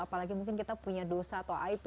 apalagi mungkin kita punya dosa atau air mata